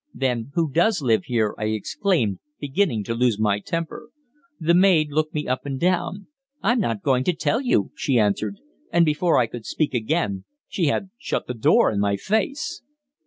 "Then who does live here?" I exclaimed, beginning to lose my temper. The maid looked me up and down. "I'm not going to tell you," she answered; and, before I could speak again, she had shut the door in my face.